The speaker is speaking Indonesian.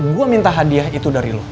gue minta hadiah itu dari lo